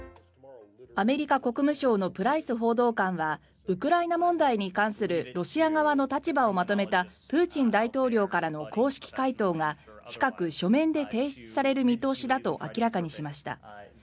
アメリカ国務省のプライス報道官はウクライナ問題に関するロシア側の立場をまとめたプーチン大統領からの公式回答が近く書面で提出される見通しだと明らかにしました。